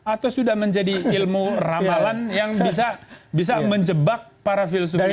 atau sudah menjadi ilmu ramalan yang bisa menjebak para filsu ini